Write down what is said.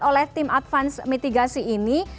oleh tim advance mitigasi ini